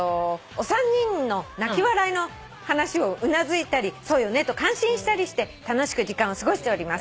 「お三人の泣き笑いの話をうなずいたりそうよねと感心したりして楽しく時間を過ごしております」